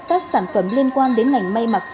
các sản phẩm liên quan đến ngành mây mặc